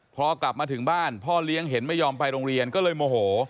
พอกลับมาถึงบ้านพ่อเลี้ยงเห็นไม่ยอมไปโรงเรียนก็เลยโมโห